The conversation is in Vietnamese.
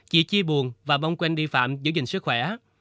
chị chi buồn và mong wendy phạm giữ gìn sức khỏe